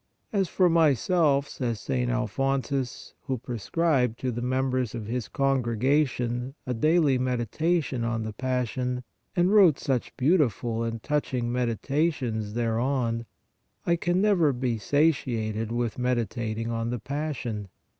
" As for myself," says St. Alphonsus, who prescribed to the members of his Congregation a daily meditation on the pas sion, and wrote such beautiful and touching medita 1 68 PRAYER tions thereon, " I can never be satiated with meditat ing on the passion.